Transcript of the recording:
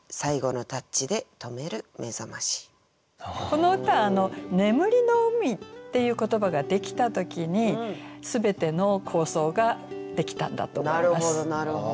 この歌は「眠りの海」っていう言葉ができた時に全ての構想ができたんだと思います。